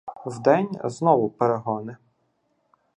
Вдень — знову перегони.